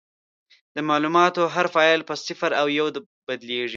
د معلوماتو هر فایل په صفر او یو بدلېږي.